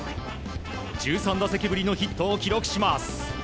１３打席ぶりのヒットを記録します。